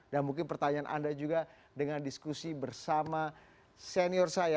dan mungkin pertanyaan anda juga dengan diskusi bersama senior saya